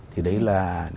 thì đấy là